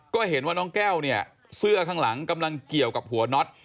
ก็เห็นเนี้ยว่าน้องแก้วเสื้อข้างหลังกำลังเกี่ยวกับหัวเนา้ด